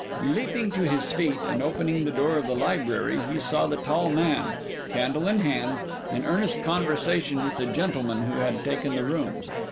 Leaping to his feet, and opening the door of the library, he saw the tall man, candle in hand, in earnest conversation with the gentleman who had taken the rooms.